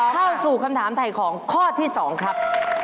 เข้าสู่คำถามถ่ายของข้อที่๒ครับ